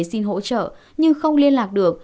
xin hỗ trợ nhưng không liên lạc được